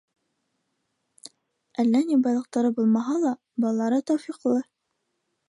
Әллә ни байлыҡтары булмаһа ла, балалары тәүфиҡлы.